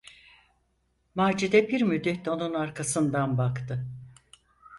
Macide bir müddet onun arkasından baktı.